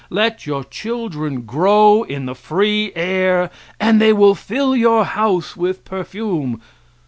Let your children grow in the free air and they will fill your house with perfume.